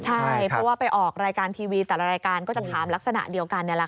ใช่เพราะว่าไปออกรายการทีวีแต่ละรายการก็จะถามลักษณะเดียวกัน